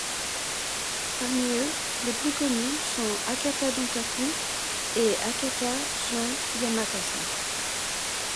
Parmi eux, les plus connus sont Hakata Dontaku et Hakata Gion Yamakasa.